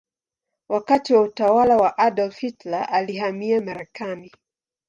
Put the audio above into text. Wakati wa utawala wa Adolf Hitler alihamia Marekani.